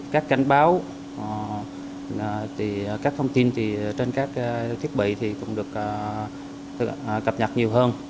các cánh báo các thông tin trên các thiết bị cũng được cập nhật nhiều hơn